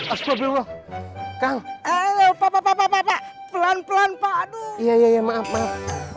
astagfirullah kang lupa lupa pelan pelan pak iya maaf maaf maaf